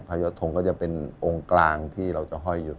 ยอดทงก็จะเป็นองค์กลางที่เราจะห้อยอยู่